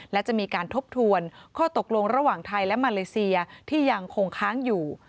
และจะมีการทบทวนข้อตกลงระหว่างไทยและมาเลเซียที่ยังคงค้างอยู่